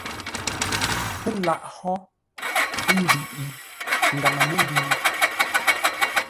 Pə́ laghʼ hó ə́ ndəiʼi ngaŋə-məndʉ?